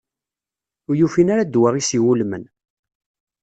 Ur ufin ara ddwa i s-iwulmen.